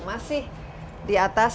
masih di atas ya